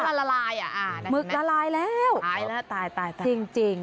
มันละลายอ่ะอ่ามึกละลายแล้วตายแล้วตายตายตายจริงจริง